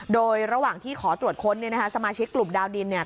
โดยระหว่างที่ขอตรวจค้นเนี่ยนะคะสมาชิกกลุ่มดาวดินเนี่ย